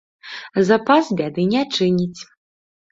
Запас бяды не чыніць.